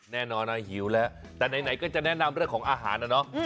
แน่นอนนะหิวแล้วแต่ไหนก็จะแนะนำเรื่องของอาหารนะเนาะ